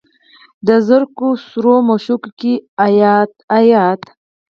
د زرکو سرو مشوکو کې ایات، ایات